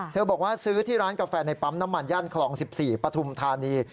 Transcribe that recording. บอกว่าซื้อที่ร้านกาแฟในปั๊มน้ำมันย่านคลอง๑๔ปฐุมธานี